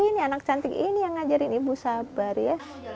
ini anak cantik ini yang ngajarin ibu sabar ya